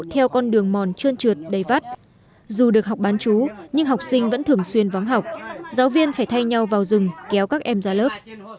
theo con đường mòn trơn trượt đầy vắt dù được học bán chú nhưng học sinh vẫn thường xuyên vắng học giáo viên phải thay nhau vào rừng kéo các em ra lớp